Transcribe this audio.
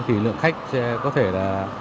thì lượng khách có thể là